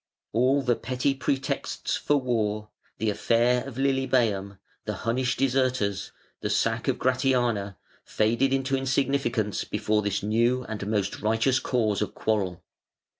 All the petty pretexts for war, the affair of Lilybæum, the Hunnish deserters, the sack of Gratiana, faded into insignificance before this new and most righteous cause of quarrel.